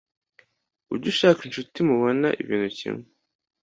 ujye ushaka incuti mubona ibintu kimwe